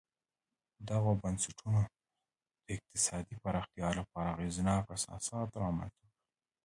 دغو بنسټونو د اقتصادي پراختیا لپاره اغېزناک اساسات رامنځته کړل